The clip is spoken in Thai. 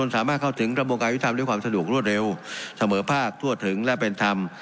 สามารถเข้าถึงกระบวนการยุทธรรมด้วยความสะดวกรวดเร็วเสมอภาคทั่วถึงและเป็นธรรม